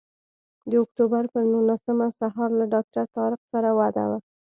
د اکتوبر پر نولسمه سهار له ډاکټر طارق سره وعده وه.